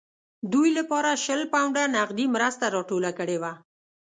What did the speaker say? دوی لپاره شل پونډه نغدي مرسته راټوله کړې وه.